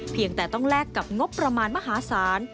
เพียงแต่ต้องแลกกับงบประมาณมหาศาล